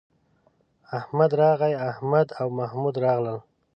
احمد راغی، احمد او محمود راغلل